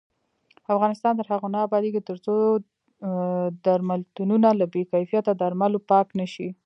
افغانستان تر هغو نه ابادیږي، ترڅو درملتونونه له بې کیفیته درملو پاک نشي.